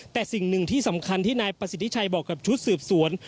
แต่สิ่งหนึ่งที่สำคัญที่นายประสิทธิชัยบอกกับชุดสืบสวน